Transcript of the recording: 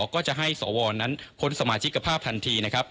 ก็จะให้สวนั้นพ้นสมาชิกกร่าภาพทันที